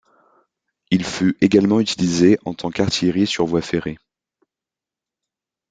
Il fut également utilisé en tant qu'artillerie sur voie ferrée.